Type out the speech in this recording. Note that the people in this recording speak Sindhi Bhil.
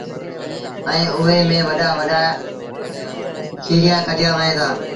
ائيٚݩ اُئي ميݩ وڏآ وڏآ ڪيٚريآ ڪڍيآ وهيݩ دآ